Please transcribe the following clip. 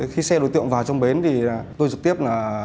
khi xe đối tượng vào trong bến thì tôi trực tiếp